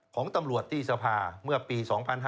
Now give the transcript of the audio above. ของตำรวจที่สภาเมื่อปี๒๕๕๙